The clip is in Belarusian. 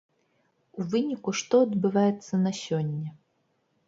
У выніку што адбываецца на сёння?